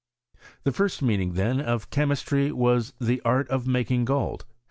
^ The tirst meaning, then, of chemistry, was the art (^ making gold.